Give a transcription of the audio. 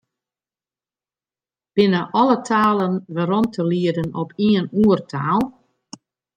Binne alle talen werom te lieden op ien oertaal?